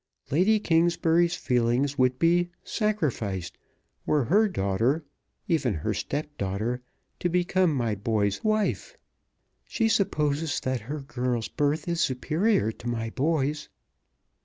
Lady Kingsbury's feelings would be sacrificed were her daughter, even her stepdaughter, to become my boy's husband. She supposes that her girl's birth is superior to my boy's."